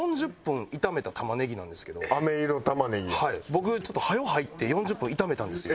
僕ちょっと早う入って４０分炒めたんですよ。